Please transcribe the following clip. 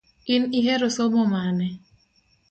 In ihero somo mane?